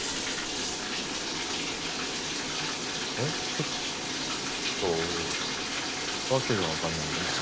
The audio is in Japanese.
ちょっと訳がわかんないんだけど。